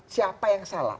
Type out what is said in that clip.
siapa yang salah